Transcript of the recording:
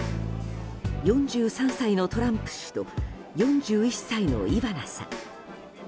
４３歳のトランプ氏と４１歳のイバナさん。